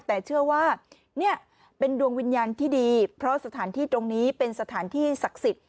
แต่เชื่อว่าเนี่ยเป็นดวงวิญญาณที่ดีเพราะสถานที่ตรงนี้เป็นสถานที่ศักดิ์สิทธิ์